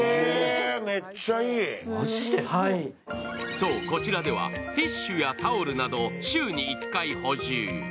そう、こちらではティッシュやタオルなど週に１回補充。